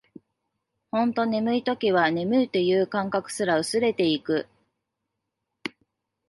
ほんと眠い時は、眠いという感覚すら薄れていく